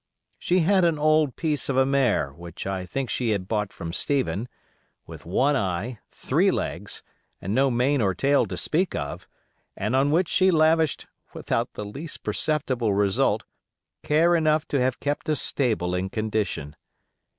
She had an old piece of a mare (which I think she had bought from Stephen), with one eye, three legs, and no mane or tail to speak of, and on which she lavished, without the least perceptible result, care enough to have kept a stable in condition.